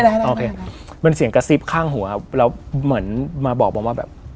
โอเคเป็นเสียงกระซิบข้างหัวครับแล้วเหมือนมาบอกผมว่าแบบ